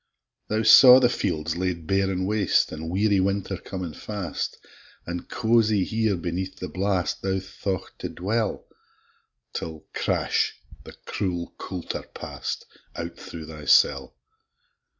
Thou saw the fields laid bare an' waste, An' weary winter comin' fast, An' cozie here, beneath the blast, Thou thought to dwell, 'Till, crash! the cruel coulter past Out thro' thy cell.